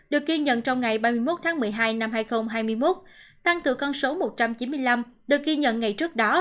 được ghi nhận trong ngày ba mươi một tháng một mươi hai năm hai nghìn hai mươi một tăng từ con số một trăm chín mươi năm được ghi nhận ngày trước đó